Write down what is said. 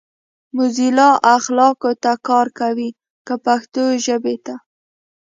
موزیلا اخلاقو ته کار کوي کۀ پښتو ژبې ته؟